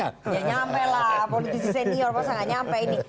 ya nyampe lah politisi senior masa nggak nyampe ini